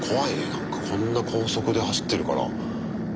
なんかこんな高速で走ってるから。